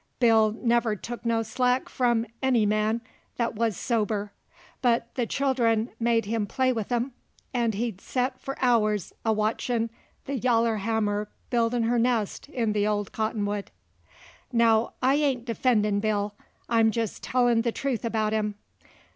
Bill never took no slack from enny man that wuz sober, but the children made him play with 'em, and he'd set for hours a watchin' the yaller hammer buildin' her nest in the old cottonwood. Now I ain't defendin' Bill; I'm jest tellin' the truth about him.